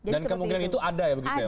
dan kemungkinan itu ada ya